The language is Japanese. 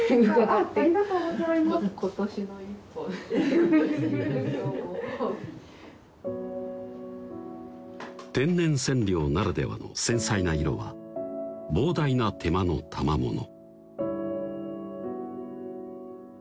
あっありがとうございます天然染料ならではの繊細な色は膨大な手間のたまもの